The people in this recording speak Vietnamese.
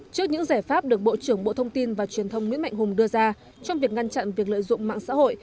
trước những giải pháp được bộ trưởng bộ thông tin và truyền thông nguyễn mạnh hùng đưa ra trong việc ngăn chặn việc lợi dụng mạng xã hội